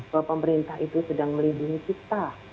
bahwa pemerintah itu sedang melindungi kita